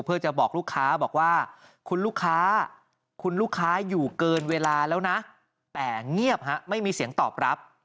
เพื่อจะบอกลูกค้าบอกว่าคุณลูกค้าคุณลูกค้าอยู่เกินเวลาแล้วนะแต่เงียบฮะไม่มีเสียงตอบรับ